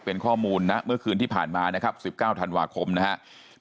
เป็นข้อมูลณเมื่อคืนที่ผ่านมานะครับ๑๙ธันวาคมนะครับ